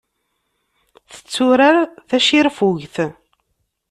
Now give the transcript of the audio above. Tetturar tacirfugt.